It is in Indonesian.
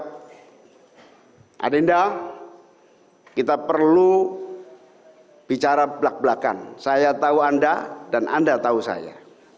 adinda kita perlu bicara belak belakan saya tahu anda dan anda tahu saya